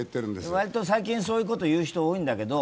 割と最近そういうことを言う人が多いんだけど。